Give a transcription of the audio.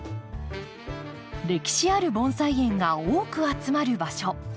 歴史ある盆栽園が多く集まる場所。